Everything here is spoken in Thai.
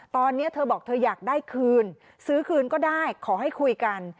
ตอนนี้เธอบอกเธออยากได้คืนซื้อคืนก็ได้ขอให้คุยกัน